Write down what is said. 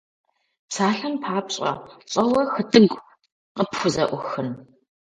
Псалъэм папщӀэ, щӀэуэ хытӀыгу къыпхузэӀухын?